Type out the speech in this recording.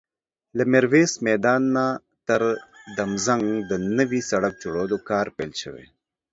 له ميرويس میدان نه تر دهمزنګ د نوي سړک جوړولو کار پیل شوی